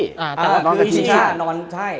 อ๋ออีชิอี